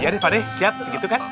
iya deh pak deh siap segitu kan